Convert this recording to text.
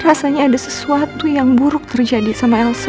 rasanya ada sesuatu yang buruk terjadi sama elsa